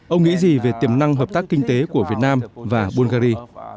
ông nghĩ gì về tiềm năng hợp tác kinh tế của việt nam và bungary